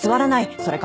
それから。